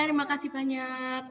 ya terimakasih banyak